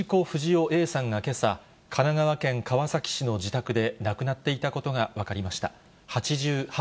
不二雄Ａさんがけさ、神奈川県川崎市の自宅で亡くなっていたことが分かりました。